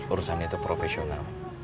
urusan itu profesional